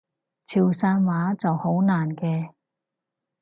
潮汕話就好難嘅